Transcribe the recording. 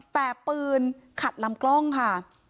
แต่ปืนขัดลำกล้องค่ะ